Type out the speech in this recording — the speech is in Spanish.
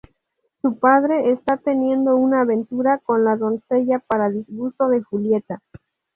Su padre está teniendo una aventura con la doncella, para disgusto de Julieta.